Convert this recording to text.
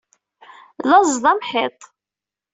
Laẓ d amḥiṭ.